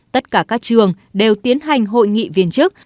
tất cả các trường đều tiến hành hội nghị viên chức